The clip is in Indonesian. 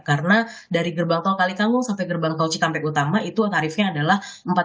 karena dari gerbang tol kalitanggung sampai gerbang tol cikampek utama itu tarifnya adalah empat ratus dua puluh satu lima ratus